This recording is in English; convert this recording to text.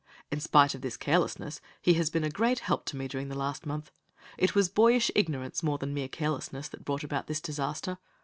"In spite of this carelessness, he has been a great help to me during the last month. It was boyish ignorance more than mere carelessness that brought about this disaster.